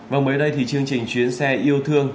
và mới đây thì chương trình chuyến xe yêu thương